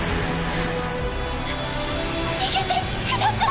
逃げてください！